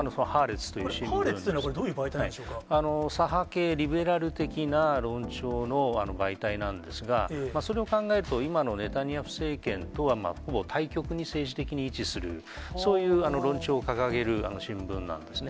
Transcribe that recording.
ハーレツというのはどういう左派系リベラル的な論調の媒体なんですが、それを考えると、今のネタニヤフ政権とはほぼ対極に政治的に位置する、そういう論調を掲げる新聞なんですね。